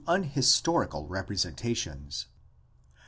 569 unhistorical representations.